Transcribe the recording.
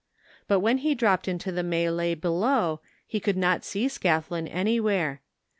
But when he dropped into the melee below he could not see Scath lin anywhere.